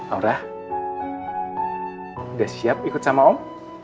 aura udah siap ikut sama om